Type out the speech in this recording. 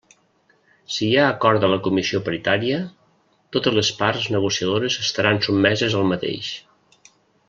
Si hi ha acord de la comissió paritària, totes les parts negociadores estaran sotmeses al mateix.